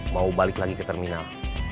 mau balik lagi ke terminal